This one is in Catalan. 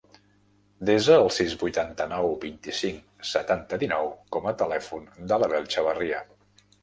Desa el sis, vuitanta-nou, vint-i-cinc, setanta, dinou com a telèfon de l'Abel Chavarria.